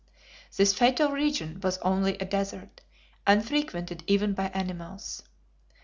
This fatal region was only a desert, unfrequented even by animals.